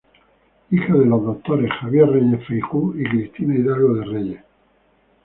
Hija de los doctores Xavier Reyes Feijoo y Cristina Hidalgo de Reyes.